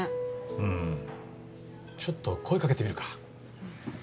うんちょっと声かけてみるかうん